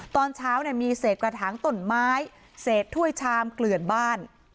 ตอนเช้ามีเศษกระถางต้นไม้เศษถ้วยชามเกลื่อนบ้าน